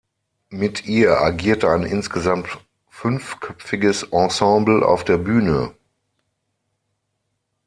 Mit ihr agierte ein insgesamt fünfköpfiges Ensemble auf der Bühne.